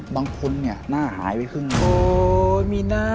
บางคนเนี่ยหน้าหายไปขึ้นมา